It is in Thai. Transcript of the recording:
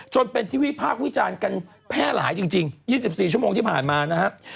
จนเป็นที่วิพากษ์วิจารณ์กันแพร่หลายจริง๒๔ชั่วโมงที่ผ่านมานะครับ